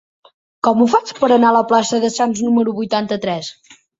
Com ho faig per anar a la plaça de Sants número vuitanta-tres?